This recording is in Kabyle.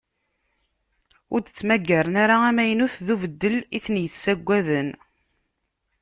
Ur d-ttmaggaren ara amaynut d ubeddel i ten-yessaggaden.